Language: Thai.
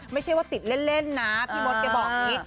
ไม่ใช่ว่าติดเล่นนะพี่มดแกบอกอย่างนี้